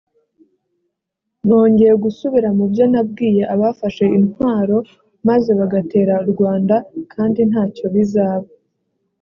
nongeye gusubira mu byo nabwiye abafashe intwaro maze bagatera u rwanda kandi nta cyo bizaba